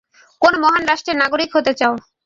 কোন মহান রাষ্ট্রের নাগরিক হতে চাও?